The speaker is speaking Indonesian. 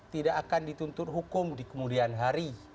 tidak akan dituntut hukum di kemudian hari